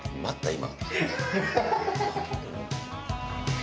今。